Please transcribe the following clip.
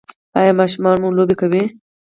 ایا ماشومان مو لوبې کوي؟